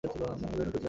Bayonet উঁচিয়ে ধরো!